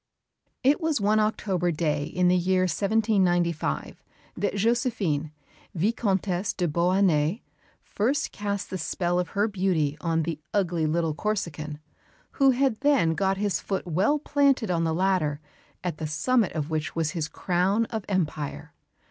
It was one October day in the year 1795 that Josephine, Vicomtesse de Beauharnais, first cast the spell of her beauty on the "ugly little Corsican," who had then got his foot well planted on the ladder, at the summit of which was his crown of empire.